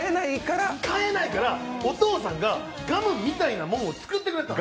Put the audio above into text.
そう、買えないからガムみたいなもんを作ってくれた。